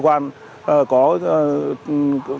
để chúng tôi có biện pháp ngăn chặn